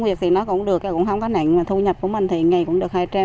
phối với các thôn mỹ thạnh và thôn thắng công